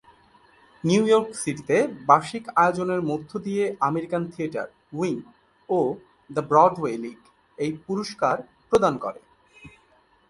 New York সিটিতে বার্ষিক আয়োজনের মধ্য দিয়ে আমেরিকান থিয়েটার উইং ও দ্য ব্রডওয়ে লিগ এই পুরস্কার প্রদান করে।